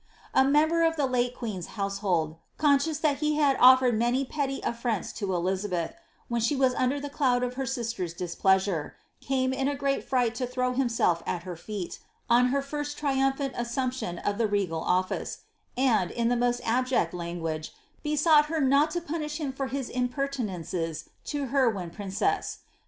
A member of the late queen's household, eooscious that he had offered many petty affronts to Elizabeth, when she was under the cloud of her sister's displeasure, came in a great fright to throw himself at her feet, on her first triumphant assumption of the TCgal office, and, in the most abject language, besought her not to punish him for his impertinences to her when princess.